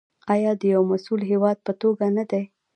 آیا د یو مسوول هیواد په توګه نه دی؟